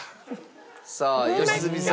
さあ良純さん。